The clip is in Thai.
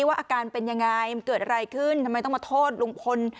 ว่าอาการเป็นยังไงมันเกิดอะไรขึ้นทำไมต้องมาโทษลุงพล